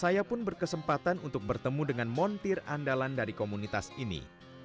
saya pun berkesempatan untuk bertemu dengan montir andalan dari komunitas ini